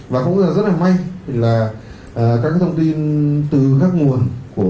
và cũng rất là may là các thông tin từ các nguồn